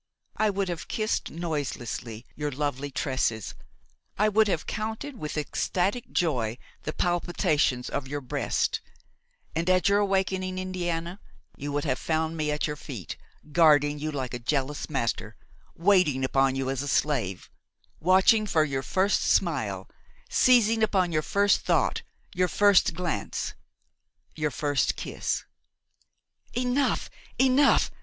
I would have kissed noiselessly your lovely tresses, I would have counted with ecstatic joy the palpitations of your breast, and, at your awakening, Indiana, you would have found me at your feet, guarding you like a jealous master, waiting upon you as a slave, watching for your first smile, seizing upon your first thought, your first glance, your first kiss." "Enough! enough!"